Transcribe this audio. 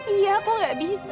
iya aku gak bisa satria